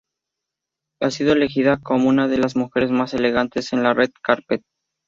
Ha sido elegida como una de las mujeres más elegantes en la Red Carpet.